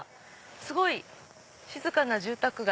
すごい静かな住宅街。